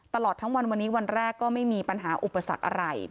ตลอดทั้งวันวันนี้วันแรกก็ไม่มีปัญหาอุปสรรคอะไร